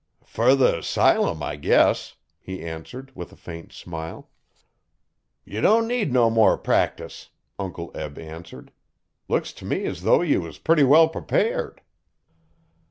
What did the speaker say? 'Fer the 'sylum, I guess,' he answered, with a faint smile. 'Ye don' need no more practice,' Uncle Eb answered. 'Looks t' me as though ye was purty well prepared.'